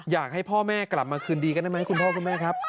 อยากให้พ่อแม่กลับมาคืนดีกันได้ไหมคุณพ่อคุณแม่ครับ